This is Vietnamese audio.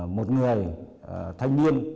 một người thanh niên